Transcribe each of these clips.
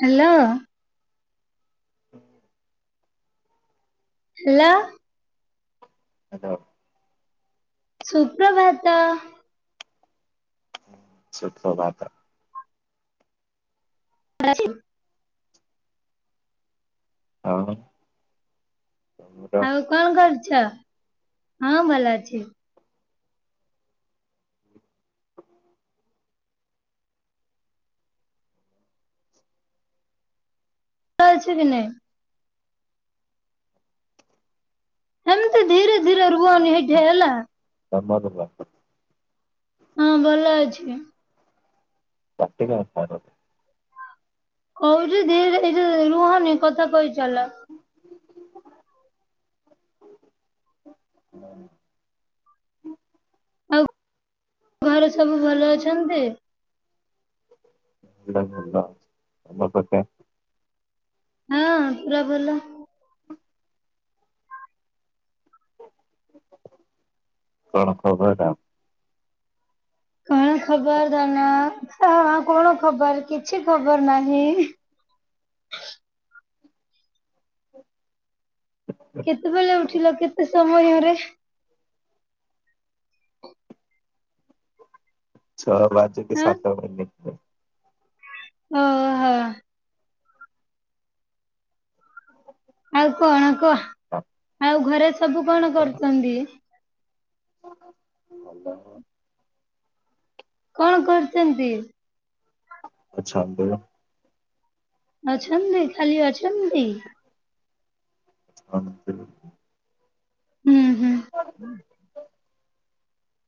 Hello. Hello. Hello. ସୁପ୍ରଭାତ। ସୁପ୍ରଭାତ। [inaudible] ଅଃ। ଆଉ କଣ କରୁଚ ହଁ ଭଲଅଛି। ଆଉ ଅଛି ଦି ନେ। ହେମତି ଧୀରେ ଧୀରେ ରୁହନି ଏଇଟି ହେଲା। ତମେ ଆଗ କାଟ। ହଁ ଭଲ ଅଛି। ପାଟି ନା ପରରେ କହୁଚି [unintelligible] ରୁହନି କଥା କହିଚାଲ। [inaudible] ଆଉ ଘରେ ସବୁ ଭଲ ଅଛନ୍ତି? ଲ ଭଲ ତମପତା? ହଁ ପୁରା ଭଲ। କଣ ଖବର୍ କଣ? କଣ ଖବର ଧନ ଅ ହା କଣ ଖବର? କିଛି ଖବର ନାହିଁ। ଏଃ ଛଅଟା ବାଜିକି ସାତ ମିନିଟ୍। ଓ ହୋ। ଆଉ କଣ କୁଅ। ଆଉ ଘରେ ସବୁ କଣ ଆପଣ କରୁଚନ୍ତି? ଭଲ। କଣ କରୁଛନ୍ତି? ଆଚ୍ଛା ଦଳ। ଅଛନ୍ତି ଖାଲି ଅଛନ୍ତି। [unintelligible] ଉଁ ହୁଁ।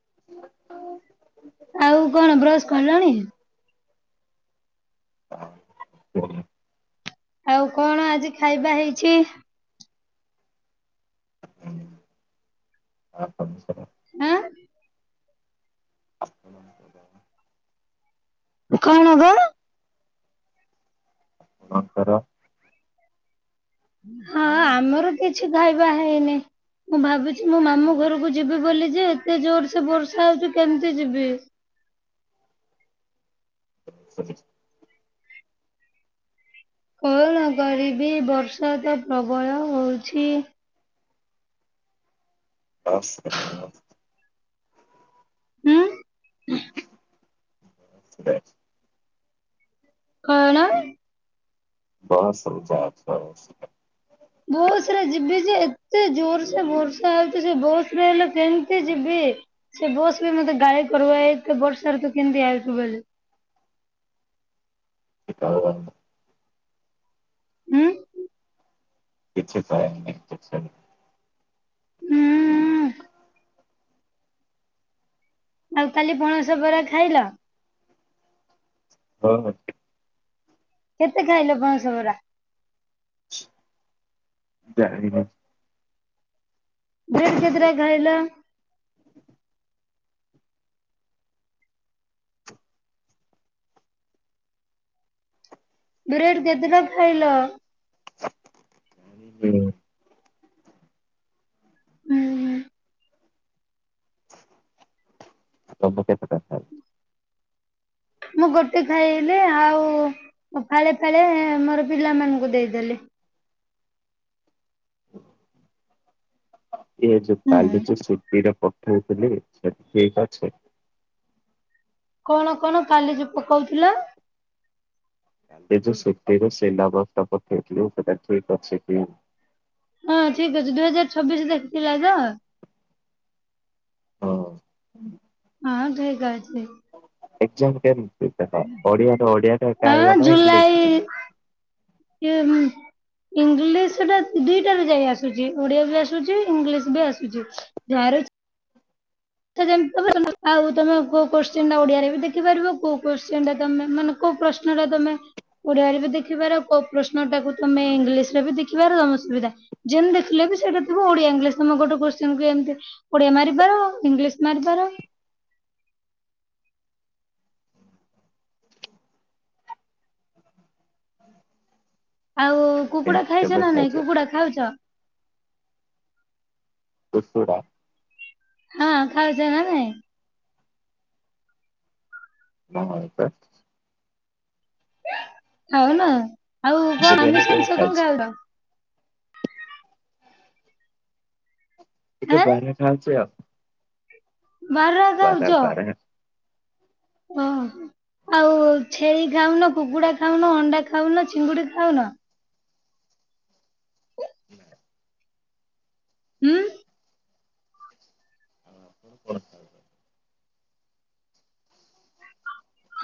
[inaudible] ଆଉ କଣ ବ୍ରଶ କିଲଣି? ହଁ [unintelligible] ଆଉ କଣ ଆଜି ଖାଇବା ହେଇଛି? ହଁ ଆ ଆଁ? [inaudible] କଣ ଦବ? ଣ ତାର ହଁ ଆମର କିଛି ଖାଇବା ହେଇନି ମୁଁ ଭାବୁଛି ମୋ ମାମୁଁ ଘରକୁ ଯିବେ ବୋଲି ଯେ ଏତେ ଜୋର ସେ ବର୍ଷା ହଉଛି କେମିତି ଯିବି? [inaudible] କଣ କରିବି ବର୍ଷା ତ ପ୍ରବଳ ହଉଛି। [inaudible] ଉଁ? ସେ କଣ? ବସରେ ଯାଉ ଥିଲ। ବହୁତ ସାରେ ଯିବି ଯେ ଏତେ ଜୋର ସେ ବର୍ଷା ହଉଛି ବହୁତ ହେଲେ କେମିତି ଯିବି? ସେ ବସ ବି ମତେ ଗାଳି କର ଏଇ ବର୍ଷାରେ ତୁ କେମତି ଆଇଚୁ ବେଲେ? [inaudible] ଉଁ। କିଛି କହ କିଛି ହୁଁ ହୁଁ ଆଉ କାଲି ପଣସ ପରା ଖାଇଲ? ଓ ହୋ। କେତେ ଖାଇଲ ପଣସ ପୁରା? ଯାଣିନି। ବ୍ରେଡ଼ କେତେଟା ଖାଇଲ? [inaudible] ବ୍ରେଡ କେତେଟା ଖାଇଲ? ଆ ହୁଁ [unintelligible] ମୁଁ ଗୋଟେ ଖାଇଲି ଆଉ ଫାଳେ ଫାଳେ ମୋର ପିଲାମାନଙ୍କୁ ଦେଇଦେଲି। ଏ ଯୋଉ ହୁଁ। ଚାଲୁଛି ସିପିର ପକ୍ଷ ବୁ ଠିକ ଅଛି। କଣ କଣ କାଲି ଯଉ ପକଉଥିଲ? କାଲି ଯୋଉ ଶଟିରୁ ସେଲା ବସ୍ତା ପଠେଇଥିଲୁ ସେଟା ଠିକ ଅଛି କି? ହଁ ଠିକ ଅଛି ଦୁଇ ହଜାର ଛବିଶରେ ଦେଖିଥିଲା ତ। ଓ ହଁ ଘାଇ ଗାଜରେ ଏକ୍ଜାମ କେ ଓଡ଼ିଆ ଓଡ଼ିଆଟା ହଁ [unintelligible] ଏ ହୁଁ। ଇଂଲିଶଟା ଦିଟାରେ ଯାଇ ଆସୁଛି ଓଡିଆ ବି ଆସୁଛି ଇଂଲିଶ ବି ଆସୁଛି ଯା ଆରେ ସେମ ଆଉ ତମେ କୋଉ କୋ୍ଚି ଟା ଓଡିଆରେ ବି ଦେଖିପାରିବ କୋଉ କୋ୍ଚି ଟା ତମେ ମାନଙ୍କୁ କୋଉ ପ୍ରଶ୍ନ ଟା ତମେ ଓଡିଆରେ ବି ଦେଖିପାର କୋଉ ପ୍ରଶ୍ନ ଟାକୁ ତମେ ଇଂଲିଶ ରେ ବି ଦେଖିବାର ତ ସୁବିଧା ଯେମିତି ଦେଖିଲେ ବି ସେଇଟା ଓଡିଆ ଇଂଲିଶ ତମେ ଗୋଟେ କୋ୍ଶ୍ଚିନ୍ ଏମିତି ଓଡିଆ ମାରିବ ଇଂଲିଶ ମାରିପାର ଆଉ କୁକୁଡା ଖାଇଚ କେବେ ନା ଖାଇଛ ନାଇଁ କୁକୁଡା ଖାଉଚ? କୁକୁଡା ହଁ ଖାଉଚ ନା ନାଇଁ? ହଁ ସେମିତି ଖାଉନ ଆଉ କଣ ବିରିୟାନୀ ଆମିଷ କେବେ ଜିନିଷ କଣ ଖାଇଛ? ଖାଉର? ଟିକେ ଆଁ ବାହାରେ ଖାଉଚୁ ଆଉ। ବାରା ଯାଉଛ? ହଁ। ଆଉ ଛେଳି ଖାଉନ କୁକୁଡା ଖାଉନ ଅଣ୍ଡା ଖାଉନ ଚିଙ୍ଗୁଡି ଖାଉନ? ହୁଁ। ଣଥା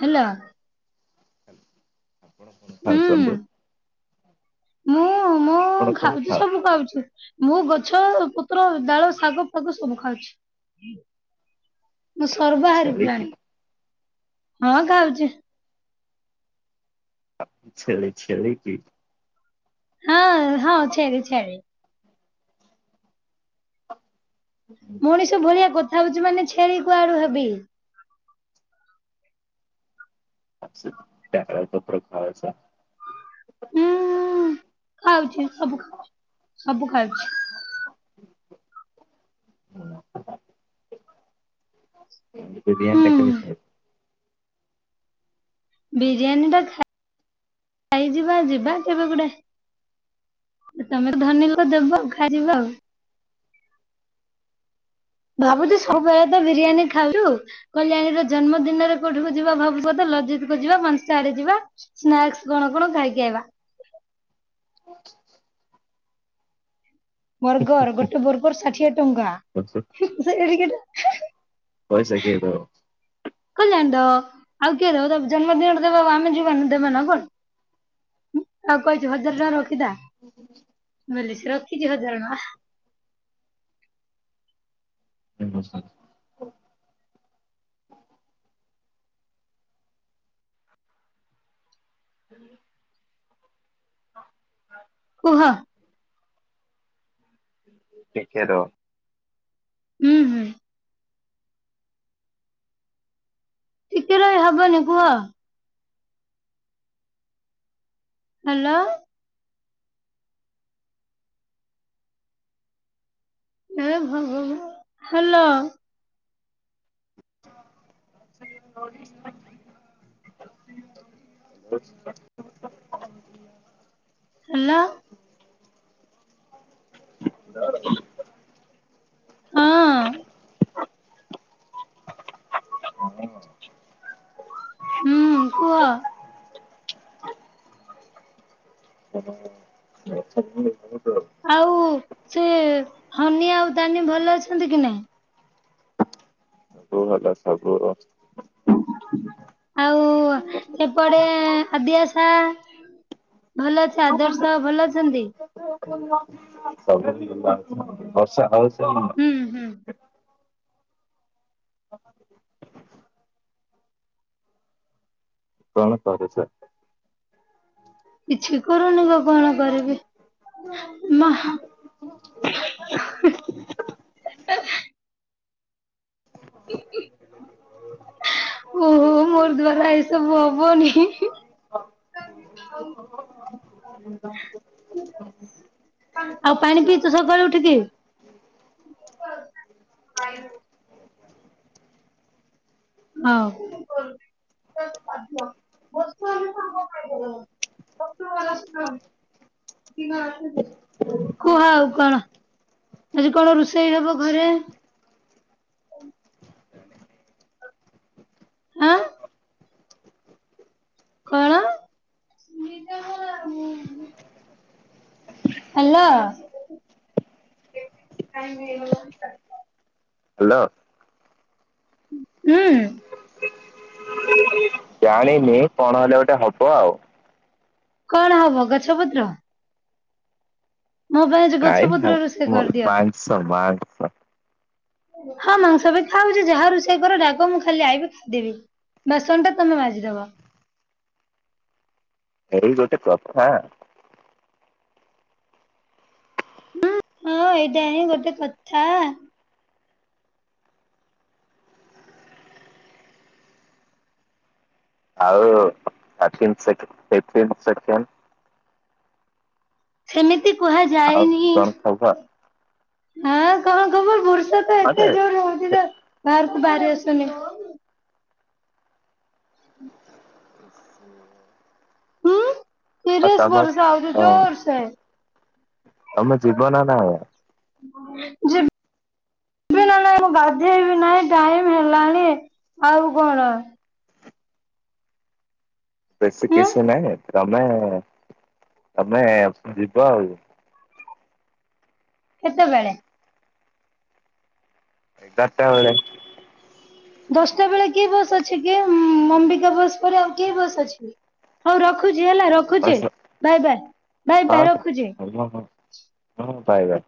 ହେଲୋ ହୁଁ [unintelligible] ମୁଁ ମୁଁ ଆପଣ କଣ ଖାଉଚି ଖାଉଛ? ସବୁ ଖାଉଚି। ମୁଁ ଗଛ ପତ୍ର ଡାଳ ଶାଗ ଫାଗ ସବୁ ଖାଉଚି। ମୁଁ ସର୍ବାହାରୀ ଛେଳି କି ପ୍ରାଣୀ, ହଁ ଖାଉଚି। ଛେଳି ଛେଳି କି? ହଁ ହଁ ଛେଳି ଛେଳି। ମଣିଷ ଭଳିଆ କଥା ହୋଉଚି ମାନେ ଛେଳି କୁଆଡୁ ହେବି। ସେ ଡାଳ ପତ୍ର ଖାଉଚ? ହୁଁ ଖାଉଚି ସବୁ ଖାଉଚି ସବୁ ଖାଉଚି। ହୁଁ [unintelligible] ବରିଆ [unintelligible] ହୁଁ ବିରିୟାନୀ ଟା ଖାଇଯିବା ଯିବା କେବେ ଗୁଡେ ତମେ ଧନୀ ଲୋକ ଦେବା ଆଉ ଖାଇବା ଆଉ? ଭାବୁଛି ସବୁବେଳେ ତ ବିରିୟାନୀ ହାଲୋ, କଲ୍ୟାଣୀର ଜନ୍ମ ଦିନରେ କୋଉଠିକୁ ଯିବା ଭାବୁ କ ଲଜ [unintelligible] ସ୍ନାକ୍ସ କଣ କଣ ଖାଇକି ଆଇବା ବର୍ଗର ଗୋଟେ ବର୍ଗର ଷାଠିଏ ଟଙ୍କା। ଖାଇଛ? [unintelligible] ପଇସା କିଏ ଦିବ? [unintelligible] ଆଉ କିଏ ଦବ ଜନ୍ମଦିନରେ ଦେବା ଆମେ ଯିବାନ ଦେବା ନା କଣ? ଆଉ କହିଚୁ ହଜାର ଟଙ୍କା ରଖିଥା। ବେଲେ ସେ ରଖିଚି ହଜାର ଟଙ୍କା। କୁହ? ଟିକେ ରହ? ହୁଁ ହୁଁ। ଟିକେ ରହି ହବନି କୁହ? ହ୍ୟାଲୋ। ହେ ଭଗବାନ। ହେଲୋ, ନର୍ଥ ଇଷ୍ଟ ମ [unintelligible] [inaudible] ହେଲୋ। [inaudible] ହଁ ହୁଁ କୁହ। [inaudible] ଆଉ ସେ ହନି ଆଉ ଦାନି ଭଲ ଅଛନ୍ତି କି ନାଇଁ। ସବୁ ଭଲ ସବୁ [unintelligible] ଆଉ ସେପଟେ ଆଦ୍ୟାସା। ଭଲ ଅଛି [inaudible] ଆଦର୍ଶ ଭଲ ଅଛନ୍ତି ଆ ହୁଁ ହୁଁ [inaudible] [inaudible] କଣ କରୁଚ କିଛି କରୁନି ତ କଣ କରିବି ମା। [inaudible] [inaudible] [unintelligible] ଓହୋ ମୋର ଦ୍ଵାରା ଏଇସବୁ ହବନି। [inaudible] ଆଉ ପାଣି ପିଇଛୁ ସକାଳେ ଉଠିକି। ହଁଧ୍ୟ ବମ [inaudible] [unintelligible] ହୁ ହ ଆଉ କଣ। ଆଜି କଣ ରୋଷେଇ ହବ ଘରେ? [inaudible] ଆଁ। କଣ [inaudible] ହାଲୋ। ହେ। ଲୋ ହୁଁ ଜାଣିନି କଣ ହେଲେ ଗୋଟେ ହବ ଆଉ। କଣ ହବ ଗଛ ପତ୍ର। ମୋ ପାଇଁ ଆଜି ଗଛ ନାଇଁ ପତ୍ର ରୋଷେଇ କରିଦିଅ। ମାଂସ ମାଂସ ହଁ ମାଂସ ବି ଖାଉଛି ଯାହା ରୋଷେଇ କର ଡାକ ମୁଁ ଖାଲି ଆଇି ଖାଇଦେବି। ବାସନ ଟା ତମେ ମାଜିଦବ। [inaudible] ଏଇ ଗୋଟେ କଥା। ହୁଁ ହଁ ଏଇଟା ହିଁ ଗୋଟେ କଥା। ଆଉ ସେକେଣ୍ଡ୍ [unintelligible] ସେମିତି ଆଉ କୁହାଯାଏନି। କଣ ଖବର ହଁ କଣ କବ ବର୍ଷା ତ ହଁ ଏତେ ଯେ ଜୋର୍ ହଉଛି ନା ବାଆର୍କୁ ବାଆରି ଆସୁନି। ଆଉ ତିରିଶ୍ ତମ ବର୍ଷ ଆଉଛି ହଁ ଜୋର୍ସେ ତମ ଜୀବନ ନା ଯେ ନା ନାଇଁ ମୁଁ ଗାଧ୍ୟେଇବି ନାହିଁ ଟାଇମ ହେଲାଣି ଆଉ କଣ? ହୁଁ ସ୍ପେସିଫିକସନ ଆ ତମେ ତମେ ଯିବା ଆଉ କେତେବେଳେ? ଏଗାରଟା ବେଳେ। ଦଶଟା ବେଳେ କିଏ ବସ୍ ଅଛି କି? ଅମ୍ବିକା ବସ୍ ପରେ ଆଉ କିଏ ବସ୍ ଅଛି? ହଉ ର ରଖୁଛି ହେଲା ରଖୁଛି ବସ୍ ଭାଇ ବାାଇ ଭାଇ ହଁ ବାାଇ ରଖୁଛି ହଁ ହଁ ହଁ ବାଏ ବାଏ